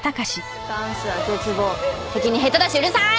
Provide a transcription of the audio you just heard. ダンスは絶望的に下手だしうるさい！